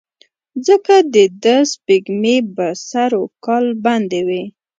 ځکه دده سپېږمې به سر وکال بندې وې.